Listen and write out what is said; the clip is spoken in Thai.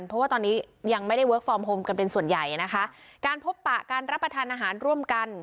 เพราะว่าตอนนี้ยังไม่ได้เวิร์คฟอร์มโฮมกันเป็นส่วนใหญ่นะคะการพบปะการรับประทานอาหารร่วมกัน